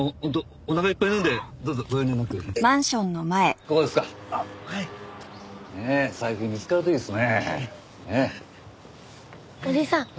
おじさん